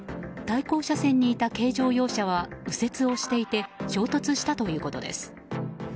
対向車線にいた軽乗用車は右折をしていて衝突したということです。